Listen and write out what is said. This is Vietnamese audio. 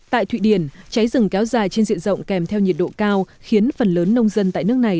tại thụy điển cháy rừng kéo dài trên diện rộng kèm theo nhiệt độ cao khiến phần lớn nông dân tại nước này